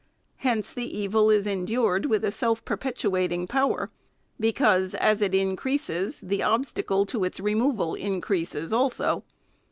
Hence the evil is endued with a self perpetuating power ; because, as it increases, the obsta cle to its removal increases also.